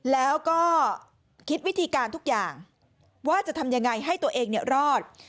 แล้วก็คิดวิธีการทุกอย่างว่าจะทำยังไงให้ตัวเองรอด